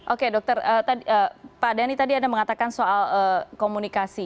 oke dokter pak dhani tadi anda mengatakan soal komunikasi